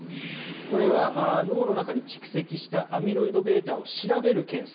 これは脳の中に蓄積したアミロイドβを調べる検査